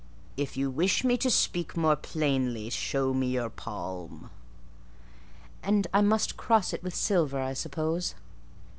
"If you wish me to speak more plainly, show me your palm." "And I must cross it with silver, I suppose?"